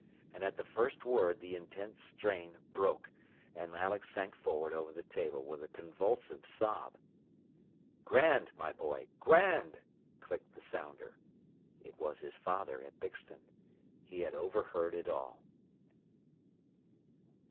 And at the first word the intense strain broke, and Alex sank forward over the table with a convulsive sob. "Grand, my boy! Grand!" clicked the sounder. It was his father, at Bixton. He had overheard it all.